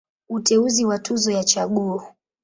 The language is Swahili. Uteuzi wa Tuzo ya Chaguo.